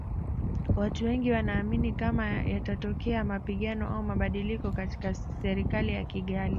Watu Wengi wanaamini kama yatatokea mapigano au mabadiliko katika Serikali ya Kigali